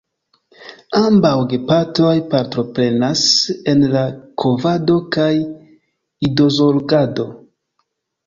Ambaŭ gepatroj partoprenas en la kovado kaj idozorgado.